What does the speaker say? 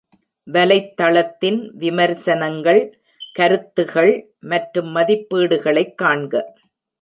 வலைத்தளத்தின் விமர்சனங்கள், கருத்துகள் மற்றும் மதிப்பீடுகளைக் காண்க.